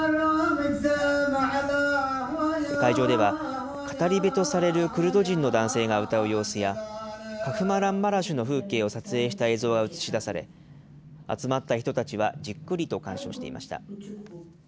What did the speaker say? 会場では、語り部とされるクルド人の男性が歌う様子や、カフラマンマラシュの風景を撮影した映像が映し出され、集まった人たちはじっくりと鑑賞していました。